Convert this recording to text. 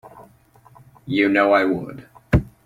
You know I would.